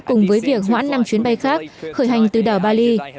cùng với việc hoãn năm chuyến bay khác khởi hành từ đảo bali